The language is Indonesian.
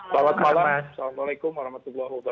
selamat malam assalamualaikum wr wb